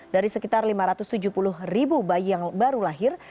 dari sekitar lima ratus tujuh puluh ribu bayi yang baru lahir